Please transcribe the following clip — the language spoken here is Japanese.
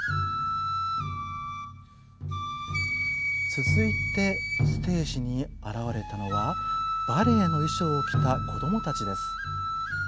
続いてステージに現れたのはバレエの衣装を着た子供たちです。